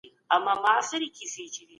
صداقت په ټولنه کي باور پيدا کوي.